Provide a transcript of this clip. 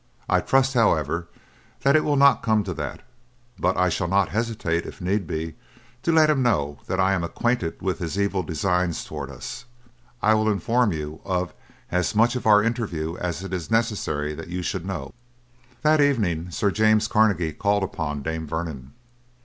I trust, however, that it will not come to that; but I shall not hesitate, if need be, to let him know that I am acquainted with his evil designs towards us. I will inform you of as much of our interview as it is necessary that you should know." That evening Sir James Carnegie called upon Dame Vernon.